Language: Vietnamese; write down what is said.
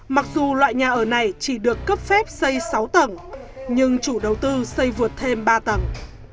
mặc dù loại nhà ở này chỉ được cấp phép xây sáu tầng nhưng chủ đầu tư xây vượt thêm ba tầng